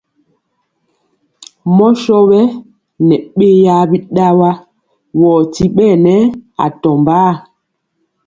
Mɔ sɔ wɛ nɛ beya biɗawa, wɔ ti ɓɛɛ nɛ atɔmbaa.